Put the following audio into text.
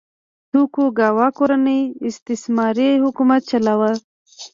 توکوګاوا کورنۍ استثماري حکومت چلاوه.